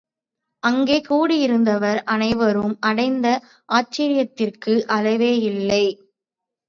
அங்கே கூடியிருந்தவர் அனைவரும் அடைந்த ஆச்சரியத்திற்கு அளவேயில்லை.